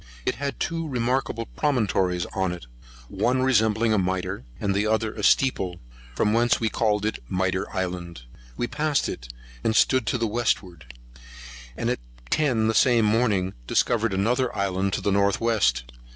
It had two remarkable promontories on it, one resembling a mitre, and the other a steeple; from whence we called it Mitre Island. We passed it, and stood to the westward; and at ten, the same morning, discovered another island to the north west.